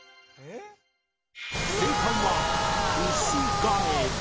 正解はウシガエル！